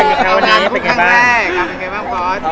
แล้วแบบนี้จะมีความสุขอะไรของฉัน